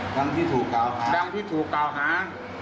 ดังที่ถูกกล่าวหาดังที่ถูกกล่าวหา